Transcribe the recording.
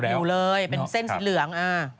ตัวเกตอยู่เลยเป็นเส้นสินเหลือง